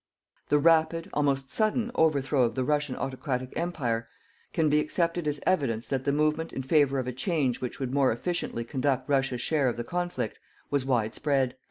The rapid, almost sudden, overthrow of the Russian autocratic Empire can be accepted as evidence that the movement in favour of a change which would more efficiently conduct Russia's share of the conflict, was widespread.